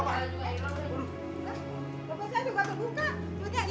apa ini kurang rajal kalian